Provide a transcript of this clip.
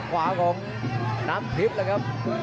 ขวากของอัธิบายนะครับ